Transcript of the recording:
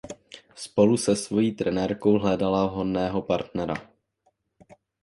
Spolu se svojí trenérkou hledala vhodného partnera.